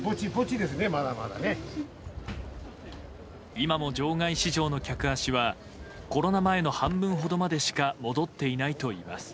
今も場外市場の客足はコロナ前の半分ほどまでしか戻っていないといいます。